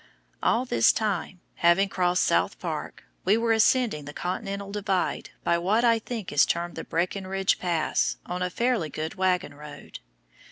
All this time, having crossed South Park, we were ascending the Continental Divide by what I think is termed the Breckenridge Pass, on a fairly good wagon road.